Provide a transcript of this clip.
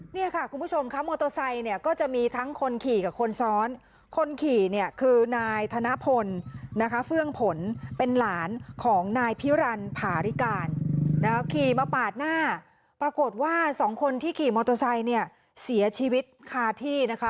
เนี่ยค่ะคุณผู้ชมค่ะมอเตอร์ไซค์เนี่ยก็จะมีทั้งคนขี่กับคนซ้อนคนขี่เนี่ยคือนายธนพลนะคะเฟื่องผลเป็นหลานของนายพิรันผาริการนะคะขี่มาปาดหน้าปรากฏว่าสองคนที่ขี่มอเตอร์ไซค์เนี่ยเสียชีวิตคาที่นะคะ